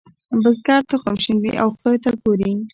بزګر تخم شیندي او خدای ته ګوري.